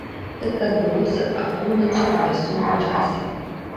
Гэта адбылося апоўначы па мясцовым часе.